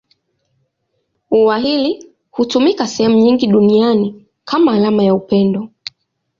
Ua hili hutumika sehemu nyingi duniani kama alama ya upendo.